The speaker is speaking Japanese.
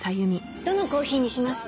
どのコーヒーにしますか？